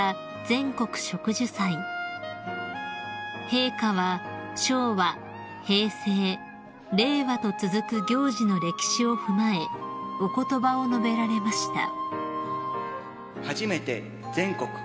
［陛下は昭和・平成・令和と続く行事の歴史を踏まえお言葉を述べられました］